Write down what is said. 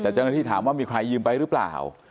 แต่เจ้าหน้าที่ถามว่ามีใครยืมไปหรือเปล่า